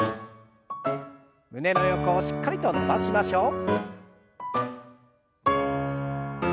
胸の横をしっかりと伸ばしましょう。